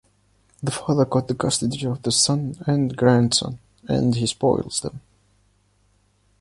The father got the custody of the sun and grandson and he spoils them.